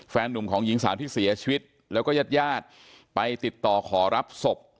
หนุ่มของหญิงสาวที่เสียชีวิตแล้วก็ญาติญาติไปติดต่อขอรับศพ